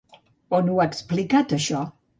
On ho ha explicat això?